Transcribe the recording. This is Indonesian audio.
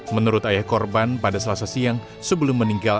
menurut ayah korban pada selasa siang sebelum meninggal